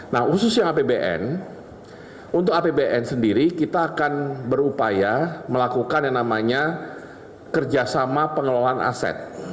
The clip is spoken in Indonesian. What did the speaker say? nah khususnya apbn untuk apbn sendiri kita akan berupaya melakukan yang namanya kerjasama pengelolaan aset